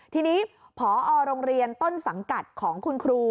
ทีนี้พอโรงเรียนต้นสังกัดของคุณครู